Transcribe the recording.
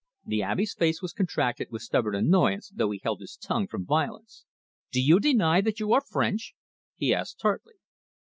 The Abbe's face was contracted with stubborn annoyance, though he held his tongue from violence. "Do you deny that you are French?" he asked tartly.